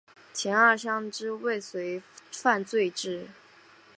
前二项之未遂犯罚之。